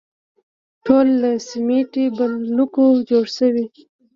ټول له سیمټي بلوکو جوړ شوي.